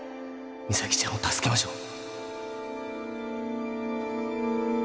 実咲ちゃんを助けましょう